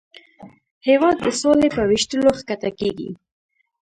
هېواد د سولې په ویشلو ښکته کېږي.